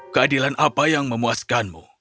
keadilan apa yang memuaskanmu